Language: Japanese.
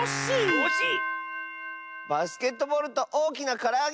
バスケットボールとおおきなからあげ！